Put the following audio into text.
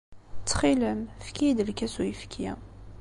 Ttxil-m, efk-iyi-d lkas n uyefki.